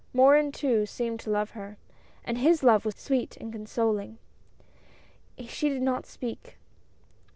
Morin, too, seemed to love her, and his love was sweet and consoling. She did not speak.